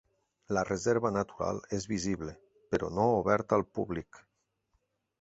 La reserva natural és visible, però no oberta al públic.